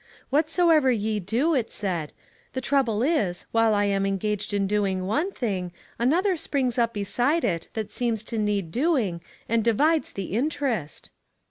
4 Whatsoever ye do,' it said ; the trouble is, while I am engaged in doing one thing, another springs up beside it that seems to need doing, and divides the in terest."